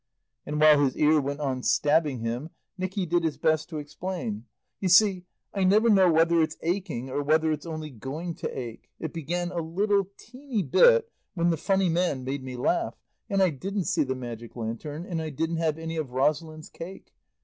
And while his ear went on stabbing him, Nicky did his best to explain. "You see, I never know whether it's aching or whether it's only going to ache. It began a little, teeny bit when the Funny Man made me laugh. And I didn't see the Magic Lantern, and I didn't have any of Rosalind's cake.